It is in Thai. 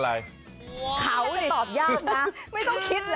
เขาจะตอบยากนะไม่ต้องคิดเลย